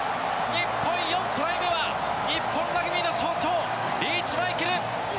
日本４トライ目は日本ラグビーの象徴リーチ・マイケル。